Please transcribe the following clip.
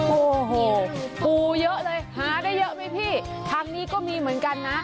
โอ้โหปูเยอะเลยหาได้เยอะไหมพี่ทางนี้ก็มีเหมือนกันนะ